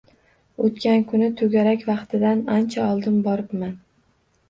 Oʻtgan kuni toʻgarak vaqtidan ancha oldin boribman.